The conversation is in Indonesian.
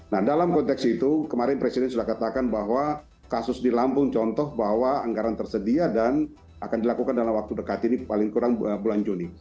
nah dalam konteks itu kemarin presiden sudah katakan bahwa kasus di lampung contoh bahwa anggaran tersedia dan akan dilakukan dalam waktu dekat ini paling kurang bulan juni